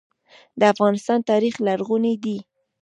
د افغانستان تاریخ لرغونی دی